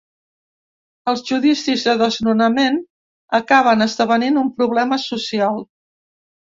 Els judicis de desnonament acaben esdevenint un problema social.